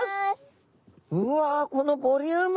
うわこのボリューム！